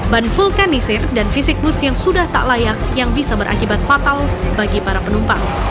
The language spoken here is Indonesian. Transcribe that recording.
ban vulkanisir dan fisik bus yang sudah tak layak yang bisa berakibat fatal bagi para penumpang